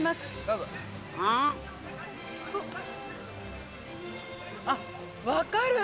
うん？あっ、分かる！